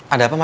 ada apa madam